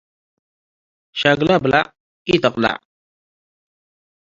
ሸግለ ብለዕ ኢትቀለዕ።